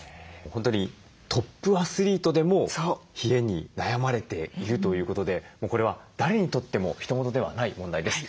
本当にトップアスリートでも冷えに悩まれているということでもうこれは誰にとってもひと事ではない問題です。